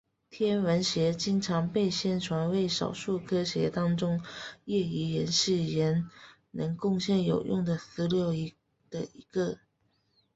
天文学经常被宣传为少数科学当中业余人士仍能贡献有用的资料的一个。